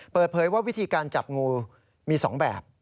เปิดเผยว่าวิธีการจับงูมี๒แบบ